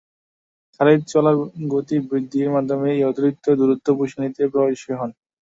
খালিদ চলার গতি বৃদ্ধির মাধ্যমে এই অতিরিক্ত দূরত্ব পুষিয়ে নিতে প্রয়াসী হন।